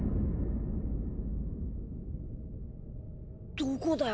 どこだよ